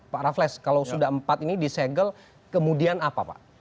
pak raffles kalau sudah empat ini disegel kemudian apa pak